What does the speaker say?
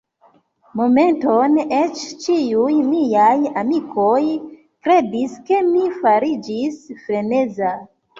Momenton eĉ ĉiuj miaj amikoj kredis, ke mi fariĝis freneza.